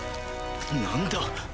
何だ？